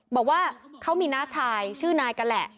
บอกว่าเขามีน้าชายชื่อนายกันแหละ